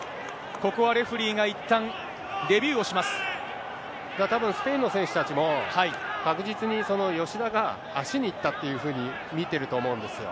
ここはレフェリーが、いったたぶん、スペインの選手たちも、確実に吉田が足に行ったというふうに見てると思うんですよ。